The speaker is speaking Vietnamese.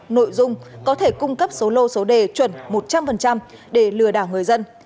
nội dung có thể cung cấp số lô số đề chuẩn một trăm linh để lừa đảo người dân